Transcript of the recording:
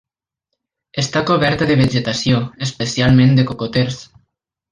Està coberta de vegetació, especialment de cocoters.